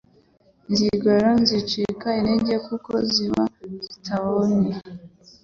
z’igogora zicika intege kuko ziba zitabonye